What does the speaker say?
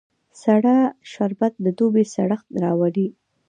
سړه شربت د دوبی سړښت راولي